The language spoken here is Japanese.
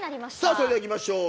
それではいきましょう。